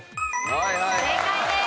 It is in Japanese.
正解です。